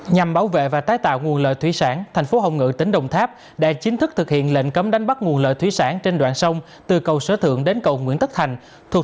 nhằm bảo vệ và tái tạo nguồn lợi thủy sản thành phố hồng ngự tỉnh đồng tháp